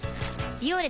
「ビオレ」